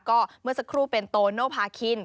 ก็เมื่อสักครู่เป็นโตโนภาคิน